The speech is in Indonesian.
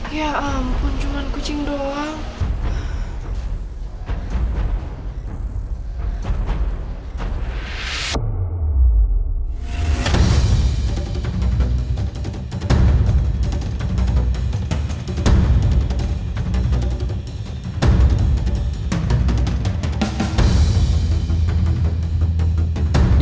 ya ampun cuma kucing doang